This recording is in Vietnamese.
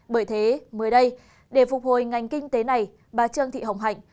bởi thế mới đây để phục hồi ngành kinh tế này bà trương thị hồng hạnh